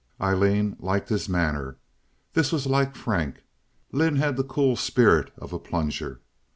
Aileen liked his manner. This was like Frank. Lynde had the cool spirit of a plunger.